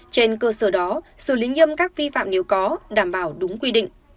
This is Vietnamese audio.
trên cơ sở đó xử lý nghiêm các vi phạm nếu có đảm bảo đúng quy định